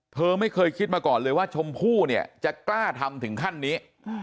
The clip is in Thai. เธอไม่เคยคิดมาก่อนเลยว่าชมพู่เนี่ยจะกล้าทำถึงขั้นนี้